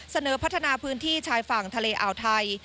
เสนอพัฒนาพื้นที่ชายฝั่งทะเลอ่าวไทย